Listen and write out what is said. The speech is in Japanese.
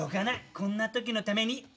こんなときのために。